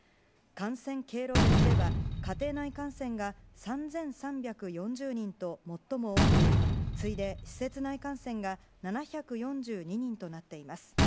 感染経路別では家庭内感染が３３４０人と最も多く次いで施設内感染が７４２人となっています。